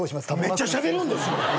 めっちゃしゃべるんですね。